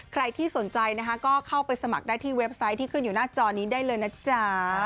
ใครที่สนใจนะคะก็เข้าไปสมัครได้ที่เว็บไซต์ที่ขึ้นอยู่หน้าจอนี้ได้เลยนะจ๊ะ